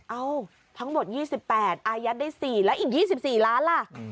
เอ้าทั้งหมด๒๘อายัดได้๔แล้วอีก๒๔ล้านล่ะ